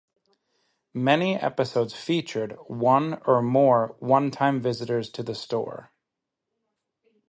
Many episodes featured one or more one-time visitors to the store.